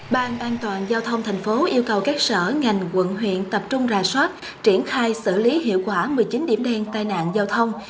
ban an toàn giao thông thành phố yêu cầu các sở ngành quận huyện tập trung ra soát triển khai xử lý hiệu quả một mươi chín điểm đen tai nạn giao thông